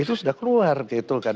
itu sudah keluar gitu kan